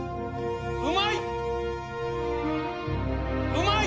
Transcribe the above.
・うまい！